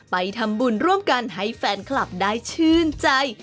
ไปทำบุญร่วมกันให้แฟนคลับได้ชื่นใจ